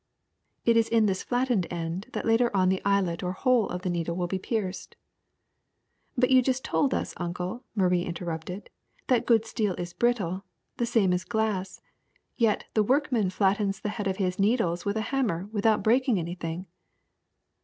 It is in this flattened end that later on the eyelet or hole of the needle will be pierced. '^ *^But you just told us, Uncle," Marie interrupted, *'that good steel is brittle, the same as glass; yet the workman flattens the head of his needles with a hammer without breaking anything."